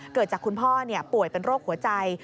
เกิดจากคุณพ่อป่วยเป็นโรคหัวใจ